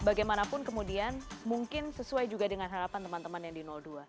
bagaimanapun kemudian mungkin sesuai juga dengan harapan teman teman yang di dua